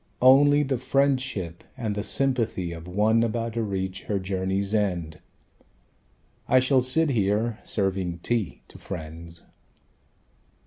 Only the friendship and the sympathy Of one about to reach her journey's end. I shall sit here, serving tea to friends...."